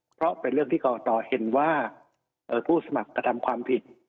เพราะเป็นเรื่องที่กรกตเห็นว่าผู้สมัครกระทำความผิด